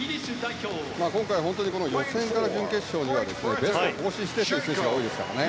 今回予選から準決勝には記録を更新してという選手が多いですからね